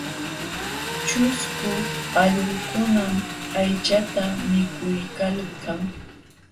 Ćhusku allqukunam aychata mikuykalkan.